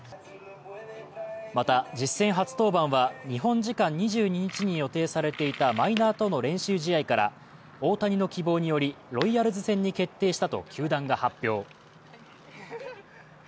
また、実戦初登板は日本時間２２日に予定されていたマイナーとの練習試合から大谷希望によりロイヤルズ戦に決定したと球団が発表。